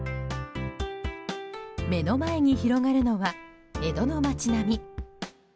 目の前に広がるのは江戸の街並み。